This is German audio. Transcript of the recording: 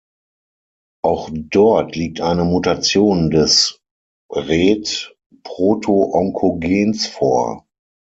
Auch dort liegt eine Mutation des Ret-Protoonkogens vor.